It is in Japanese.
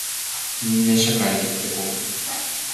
人間社会に溶け込む